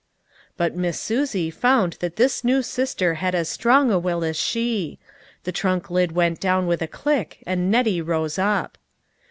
But Miss Susie found that this new sister had as strong a will as she. The trunk lid went down with a click, and Nettie rose up.